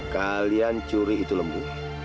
kalian curi itu lembu